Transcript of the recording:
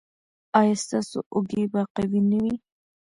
ایا ستاسو اوږې به قوي نه وي؟